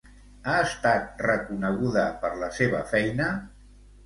Ha estat reconeguda per la seva feina?